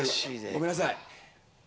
ごめんなさい。